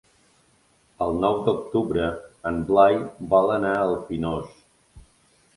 El nou d'octubre en Blai vol anar al Pinós.